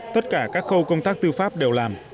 tất cả các khâu công tác tư pháp đều làm